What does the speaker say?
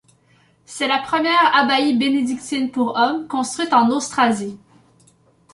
C'est la première abbaye bénédictine pour hommes construite en Austrasie.